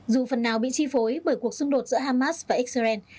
dù phần nào bị chi phối bởi cuộc xung đột giữa hamas và israel